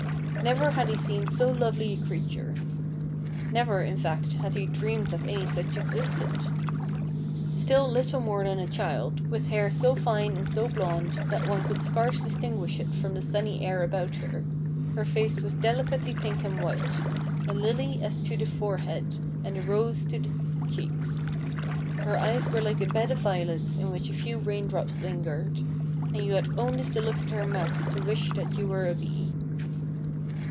Never had he seen so lovely a creature. Never, in fact, had he dreamed that any such existed. Still little more than a child, with hair so fine and so blond that one could scarce distinguish it from the sunny air about her, her face was delicately pink and white, — a lily as to the fore head and a rose as to the cheeks, — her eyes were like a bed of violets in which a few raindrops lingered, and you had only to look at her mouth to wish that you were a bee.